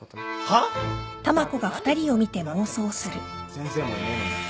先生もいねえのに。